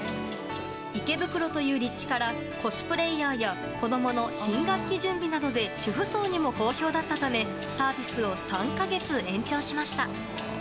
池袋という立地からコスプレーヤーや子供の新学期準備などで主婦層にも好評だったためサービスを３か月延長しました。